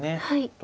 はい。